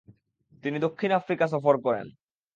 তিনি দক্ষিণ আফ্রিকা সফর করেন।